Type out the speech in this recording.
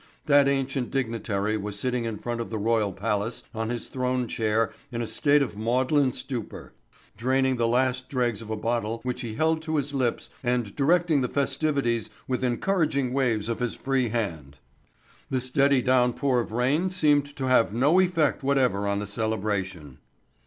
That ancient dignitary was sitting in front of the royal palace on his throne chair in a state of maudlin stupor, draining the last dregs of a bottle which he held to his lips and directing the festivities with encouraging waves of his free hand. The steady downpour of rain seemed to have no effect whatever on the celebration.